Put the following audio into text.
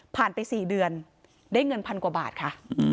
ไป๔เดือนได้เงินพันกว่าบาทค่ะ